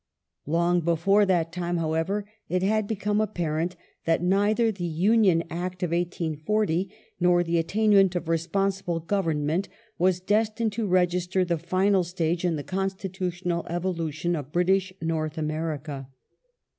Long before that time, however, it had become apparent that The two neither the Union Act of 1840 nor the attainment of responsible Government was destined to register the final stage in the consti tutional evolution of British North America.